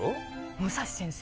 武蔵先生